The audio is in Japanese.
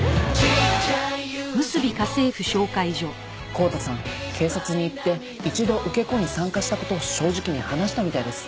康太さん警察に行って一度受け子に参加した事を正直に話したみたいです。